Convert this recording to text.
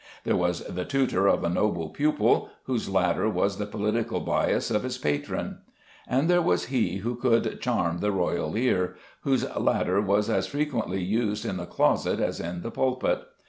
There was the tutor of a noble pupil, whose ladder was the political bias of his patron. And there was he who could charm the royal ear, whose ladder was as frequently used in the closet as in the pulpit.